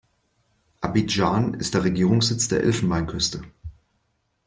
Abidjan ist der Regierungssitz der Elfenbeinküste.